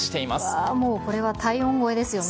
うわー、もうこれは体温超えですよね。